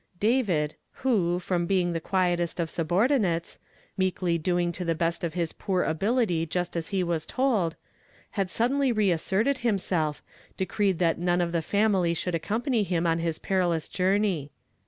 " David, who, from l)eing the quietest of subor dinates, meekly doing to the best of his poor nl)il ity just as he was told, had suddenly reasserted himself, decreed that none of the family should accompany him on his perilous journey.